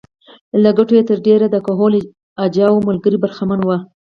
له ګټو یې تر ډېره د کهول اجاو ملګري برخمن وو.